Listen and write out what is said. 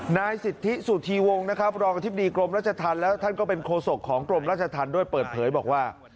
นายสิทธิสุธีวงศ์นะครับรองอธิบดีกรมราชธรรมแล้วท่านก็เป็นโคศกของกรมราชธรรมด้วยเปิดเผยบอกว่า